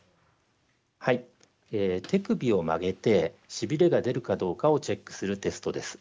手首を曲げてしびれが出るかどうかをチェックするテストです。